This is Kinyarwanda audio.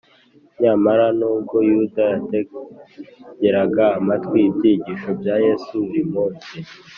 nyamara nubwo yuda yategeraga amatwi ibyigisho bya yesu buri munsi